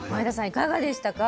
いかがでしたか？